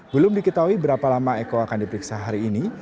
belum diketahui berapa lama eko akan diperiksa hari ini